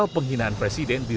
penghinaan terhadap presiden